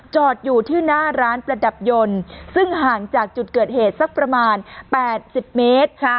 จอดอยู่ที่หน้าร้านประดับยนต์ซึ่งห่างจากจุดเกิดเหตุสักประมาณ๘๐เมตร